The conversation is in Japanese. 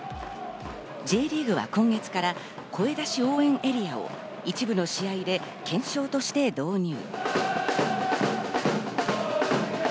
Ｊリーグは今月から声出し応援エリアを一部の試合で検証として導入。